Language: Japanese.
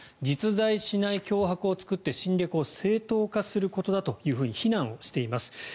実在しない脅迫を作って侵略を正当化することだと非難をしています。